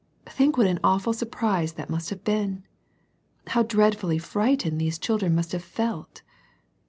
— ^Think what an awful surprise that must have been! How dreadfully fright ened these children must have felt